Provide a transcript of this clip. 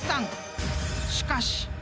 ［しかし］